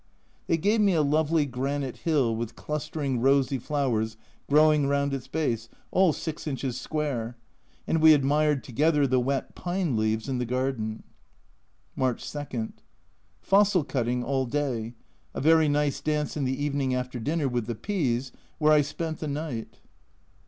They gave me a lovely granite hill with clustering rosy flowers growing round its base all 6 inches square and we admired together the wet pine leaves in the garden. March 2. Fossil cutting all day; a very nice dance in the evening after dinner with the P s, where I spent the night.